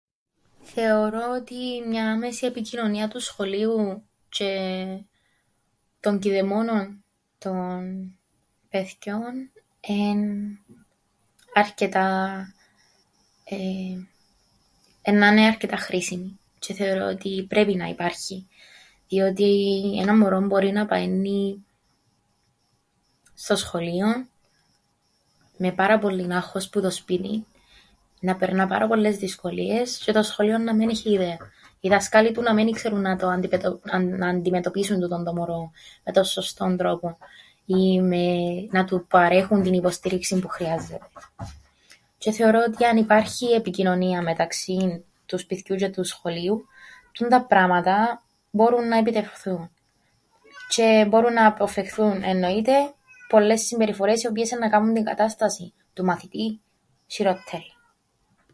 Θεώρω ότι μια άμεση εποικοινωνία του σχολείου τζ̆αι των κηδεμόνων των παιθκιών εν’ αρκετά ε… -εννά ’ναι αρκετά χρήσιμη τζ̆αι θεωρώ ότι πρέπει να υπάρχει. Διότι έναν μωρόν μπορεί να πααίννει στο σχολείον με πάρα πολλύν άγχος που το σπίτιν, να περνά πάρα πολλές δυσκολίες τζ̆αι το σχολείον να μεν έχει ιδέαν. Οι δασκάλοι του να μεν ι-ξέρουν να το αντ… να αντιμετωπίσουν τούτον το μωρόν με τον σωστόν τρόπον ή με -να του παρέχουν την υποστήριξην που χρειάζεται. Τζ̆αι θεωρώ ότι αν υπάρχει επικοινωνία μεταξύν του σπιθκιού τζ̆αι του σχολείου τούντα πράματα μπόρουν να επιτευχθούν τζ̆αι μπόρουν να αποφευχθούν εννοείται πολλές συμπεριφορές οι οποίες εννά κάμουν την κατάσταση του μαθητή χειρόττερην.